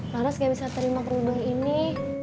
laras gak bisa terima kerudung ini